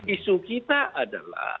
isu kita adalah